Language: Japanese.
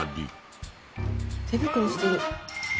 手袋してる。